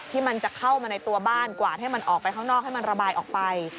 ที่มันจะเข้ามาในตัวบ้านกวาดให้มันออกไปข้างนอกให้มันระบายออกไป